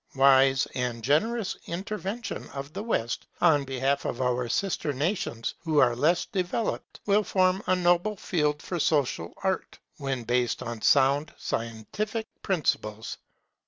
Wise and generous intervention of the West on behalf of our sister nations who are less advanced, will form a noble field for Social Art, when based on sound scientific principles.